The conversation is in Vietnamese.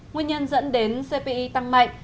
nguyên nhân dẫn đến cpi tăng mạnh